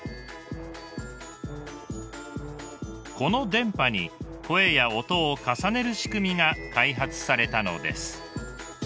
この電波に声や音を重ねる仕組みが開発されたのです。